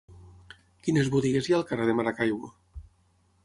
Quines botigues hi ha al carrer de Maracaibo?